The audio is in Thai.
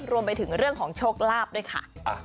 รวมไปถึงเรื่องของโชคลาภด้วยค่ะ